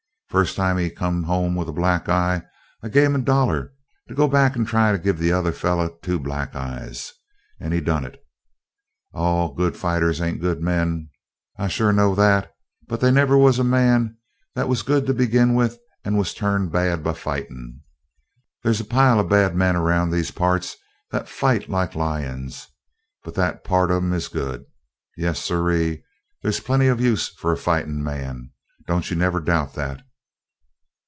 First time he come home with a black eye I gave him a dollar to go back and try to give the other fellow two black eyes. And he done it! All good fighters ain't good men; I sure know that. But they never was a man that was good to begin with and was turned bad by fighting. They's a pile of bad men around these parts that fight like lions; but that part of 'em is good. Yes sirree, they's plenty of use for a fighting man! Don't you never doubt that!"